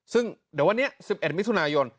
ซึ่งเดี๋ยววันนี้๑๑มิถุนายน